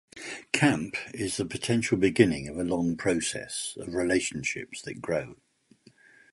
Camp is the potential beginning of a long process, of relationships that grow.